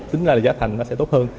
tính ra là giá thành sẽ tốt hơn